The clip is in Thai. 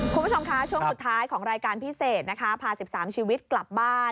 คุณผู้ชมคะช่วงสุดท้ายของรายการพิเศษนะคะพา๑๓ชีวิตกลับบ้าน